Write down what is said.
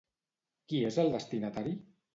Qui és el destinatari?